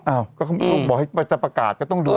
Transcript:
อ้าวก็ต้องบอกให้จะประกาศก็ต้องเดินสิ